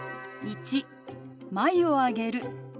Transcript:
１眉を上げる。